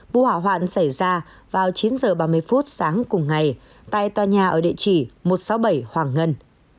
vụ hỏa hoạn xảy ra vào chín h ba mươi phút sáng cùng ngày tại tòa nhà ở địa chỉ một trăm sáu mươi bảy hoàng ngân